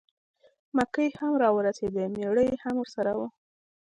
مکۍ هم را ورسېده مېړه یې هم ورسره و.